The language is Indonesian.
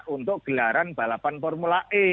untuk gelaran balapan formula e